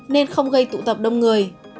nên không gây tụ tập đông người